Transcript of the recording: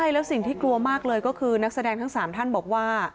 แล้วสิ่งที่กลัวมากเลยก็คือนักแสดงทั้ง๓ท่านบอกว่า